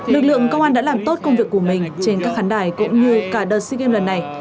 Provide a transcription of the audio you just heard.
lực lượng công an đã làm tốt công việc của mình trên các khán đài cũng như cả đợt sea games lần này